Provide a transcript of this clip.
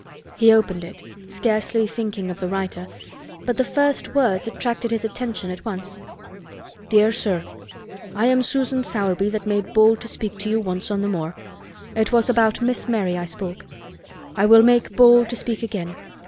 He opened it, scarcely thinking of the writer, but the first words attracted his attention at once. "Dear Sir: I am Susan Sowerby that made bold to speak to you once on the moor. It was about Miss Mary I spoke. I will make bold to speak again.